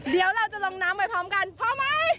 เดี๋ยวเราจะลงน้ำไปพร้อมกันพร้อมไหม